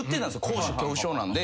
高所恐怖症なんで。